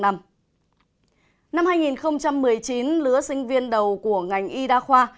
năm hai nghìn một mươi chín lứa sinh viên đầu của ngành y đa khoa